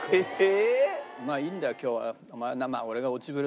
お前いいんだよ今日は。